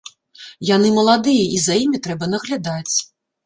Яны маладыя, і за імі трэба наглядаць.